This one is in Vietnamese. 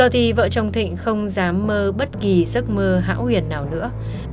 bởi vì những lúc mà vợ chồng thịnh không dám mơ bất kỳ giấc mơ hão huyền nào nữa